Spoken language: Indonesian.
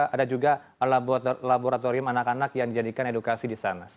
ada juga laboratorium anak anak yang dijadikan edukasi di sana